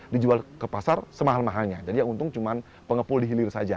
dijual ke pasar semahal mahalnya jadi yang untung cuma pengepul di hilir saja